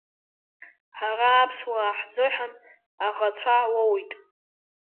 Ҳара аԥсуаа ҳзыҳәан аӷацәа уоуит.